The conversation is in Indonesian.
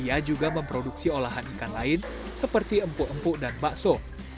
ia juga memproduksi olahan ikan lain seperti empuk empuk dan bakso